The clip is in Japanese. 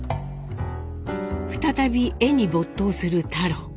再び絵に没頭する太郎。